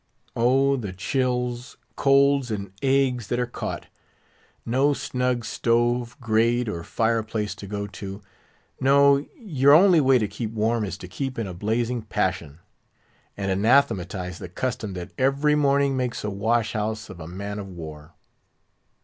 Oh! the chills, colds, and agues that are caught. No snug stove, grate, or fireplace to go to; no, your only way to keep warm is to keep in a blazing passion, and anathematise the custom that every morning makes a wash house of a man of war.